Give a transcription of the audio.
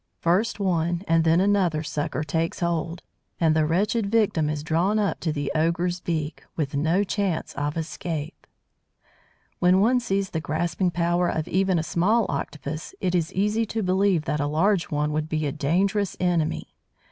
First one and then another sucker takes hold, and the wretched victim is drawn up to the ogre's beak, with no chance of escape. When one sees the grasping power of even a small Octopus, it is easy to believe that a large one would be a dangerous enemy.